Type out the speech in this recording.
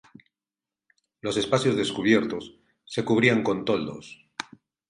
Los espacios descubiertos se cubrían con toldos.